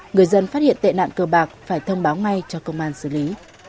người dân phát hiện tệ nạn cơ bạc phải thông báo ngay cho công an xử lý